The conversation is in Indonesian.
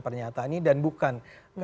pernyataan ini dan bukan